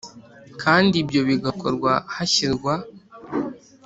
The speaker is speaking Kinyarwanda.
Kandi ibyo bigakorwa hashyirwa